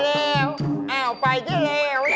เอาไปกินแล้ว